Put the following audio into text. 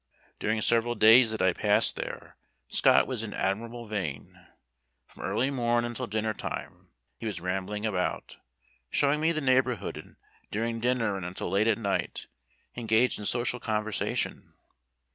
During several days that I passed there Scott was in admirable vein. From early morn until dinner time he was rambling about, showing me the neighborhood, and during dinner and until late at night, engaged in social conversation.